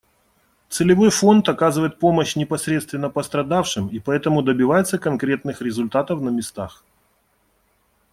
Целевой фонд оказывает помощь непосредственно пострадавшим и поэтому добивается конкретных результатов на местах.